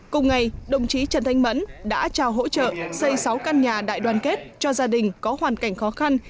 cùng ngày đồng chí trần thanh mẫn đã trao hỗ trợ xây sáu căn nhà đại đoàn kết cho gia đình có hoàn cảnh khó khăn